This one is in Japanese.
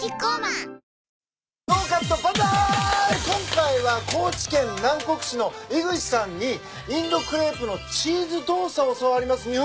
今回は高知県南国市の井口さんにインドクレープのチーズドーサを教わります。